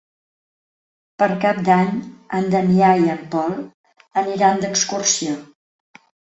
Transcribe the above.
Per Cap d'Any en Damià i en Pol aniran d'excursió.